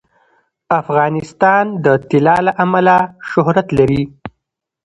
افغانستان د طلا له امله شهرت لري.